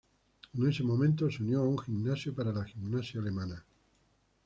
En ese momento, se unió a un gimnasio para la gimnasia alemana.